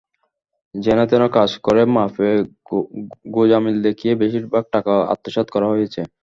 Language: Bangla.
যেনতেন কাজ করে মাপে গোঁজামিল দেখিয়ে বেশির ভাগ টাকা আত্মসাৎ করা হয়েছে।